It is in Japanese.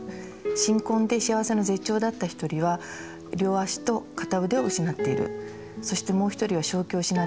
新婚で幸せの絶頂だった一人は両脚と片腕を失っている。